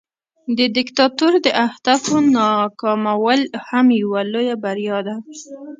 د دیکتاتور د اهدافو ناکامول هم یوه لویه بریا ده.